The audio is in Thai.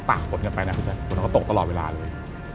ฝนกันไปนะพี่แจ๊ฝนก็ตกตลอดเวลาเลย